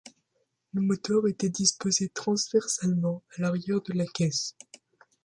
Le moteur était disposé transversalement, à l'arrière de la caisse.